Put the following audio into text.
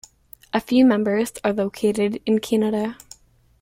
A few members are located in Canada.